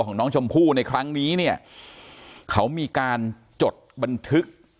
ของน้องชมพู่ในครั้งนี้เนี่ยเขามีการจดบันทึก